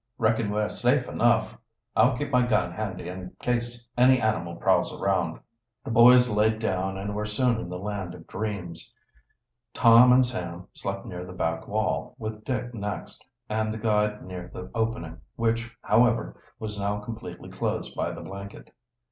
"Reckon we're safe enough. I'll keep my gun handy, in case any animal prowls around." The boys laid down and were soon in the land of dreams. Tom and Sam slept near the back wall, with Dick next, and the guide near the opening, which, however, was now completely closed by the blanket.